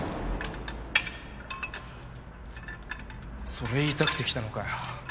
それ言いたくて来たのかよ。